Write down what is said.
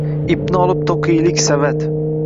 Ipni olib to‘qiylik savat —